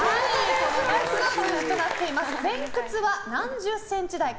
前屈は何十センチ台か。